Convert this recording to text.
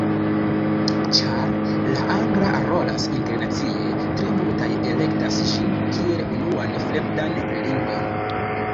Ĉar la angla rolas internacie, tre multaj elektas ĝin kiel unuan fremdan lingvon.